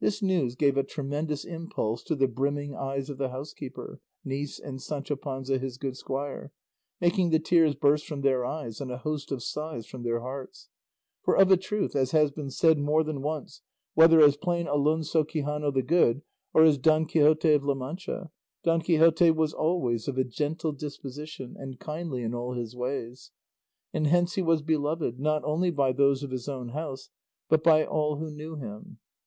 This news gave a tremendous impulse to the brimming eyes of the housekeeper, niece, and Sancho Panza his good squire, making the tears burst from their eyes and a host of sighs from their hearts; for of a truth, as has been said more than once, whether as plain Alonso Quixano the Good, or as Don Quixote of La Mancha, Don Quixote was always of a gentle disposition and kindly in all his ways, and hence he was beloved, not only by those of his own house, but by all who knew him.